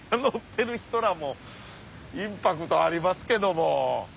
乗ってる人らもインパクトありますけども！